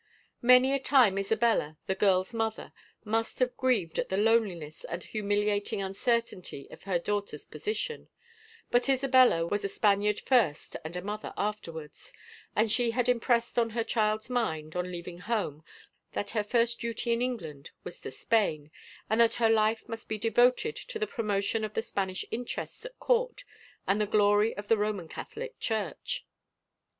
Many a time Isabella, the girl's mother, must have grieved at the loneliness and humiliating uncertainty of her daughter's position, but Isabella was a Spaniard first and a mother afterwards, and she had impressed on her child's mind, on leaving home, that her first duty in England was to Spain, and that her life must be devoted to the promotion of the Spanish interests at court and the glory of the Roman Catholic Church.